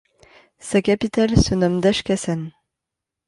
Sa capitale se nomme Daşkəsən.